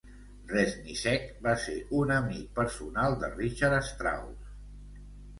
Reznicek va ser un amic personal de Richard Strauss.